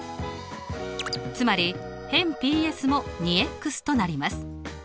つまり辺ＰＳも２となります。